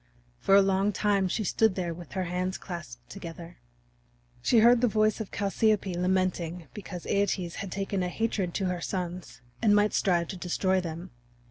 For a long time she stood there with her hands clasped together. She heard the voice of Chalciope lamenting because Æetes had taken a hatred to her sons and might strive to destroy them.